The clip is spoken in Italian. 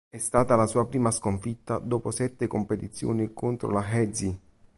È stata la sua prima sconfitta dopo sette competizioni contro la He Zi.